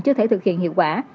chưa thể thực hiện hiệu quả